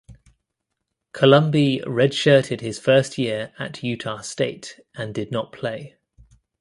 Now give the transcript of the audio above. Colombi redshirted his first year at Utah State and did not play.